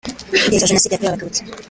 mu gihe cya Jenoside yakorewe Abatutsi